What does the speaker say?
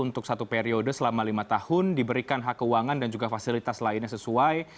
untuk satu periode selama lima tahun diberikan hak keuangan dan juga fasilitas lainnya sesuai